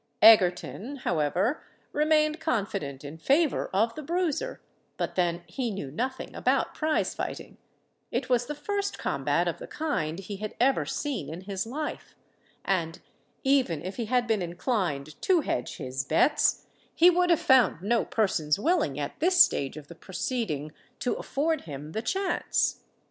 Egerton, however, remained confident in favour of the Bruiser; but then he knew nothing about prize fighting—it was the first combat of the kind he had ever seen in his life—and, even if he had been inclined to hedge his bets, he would have found no persons willing at this stage of the proceeding to afford him the chance.